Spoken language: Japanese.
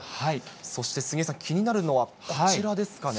そして杉江さん、気になるのがこちらですかね。